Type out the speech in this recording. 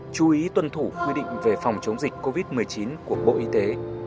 chú ý tuân thủ quy định về phòng chống dịch covid một mươi chín của bộ y tế